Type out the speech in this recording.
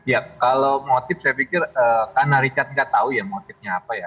ya kalau motif saya pikir karena richard nggak tahu ya motifnya apa ya